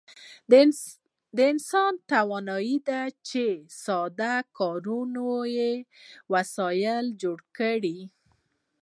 انسان وتوانید چې ساده کاري وسایل جوړ کړي.